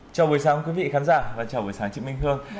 chào buổi sáng quý vị khán giả và chào buổi sáng chị minh hương